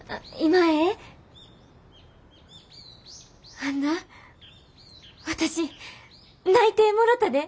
あんな私内定もろたで！